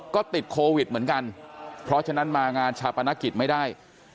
ก็ติดโควิดเหมือนกันเพราะฉะนั้นมางานชาปนกิจไม่ได้